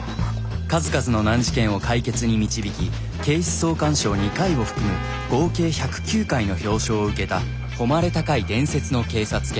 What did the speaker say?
数々の難事件を解決に導き警視総監賞２回を含む合計１０９回の表彰を受けた誉れ高い伝説の警察犬。